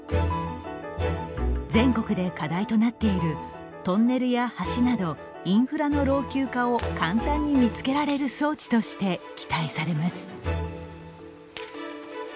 全国で課題となっているトンネルや橋などインフラの老朽化を簡単に見つけられる装置として期待されます。